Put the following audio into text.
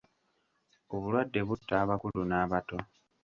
Obulwadde butta abakulu n'abato.